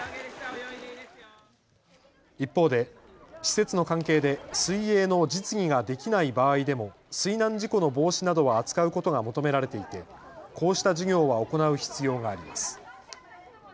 一方で施設の関係で水泳の実技ができない場合でも水難事故の防止などは扱うことが求められていて、こうした授業は行う必要があります。